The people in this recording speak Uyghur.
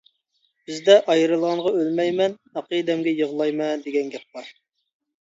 بىزدە «ئايرىلغانغا ئۆلمەيمەن، ئەقىدەمگە يىغلايمەن» دېگەن گەپ بار.